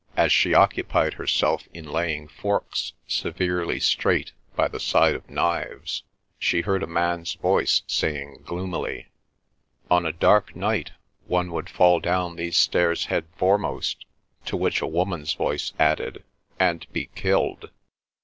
As she occupied herself in laying forks severely straight by the side of knives, she heard a man's voice saying gloomily: "On a dark night one would fall down these stairs head foremost," to which a woman's voice added, "And be killed."